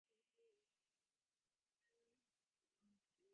ވ. އަތޮޅު ތަޢުލީމީ މަރުކަޒު، ވ. ފެލިދޫ